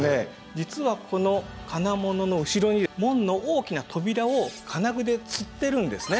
実はこの金物の後ろに門の大きな扉を金具でつってるんですね。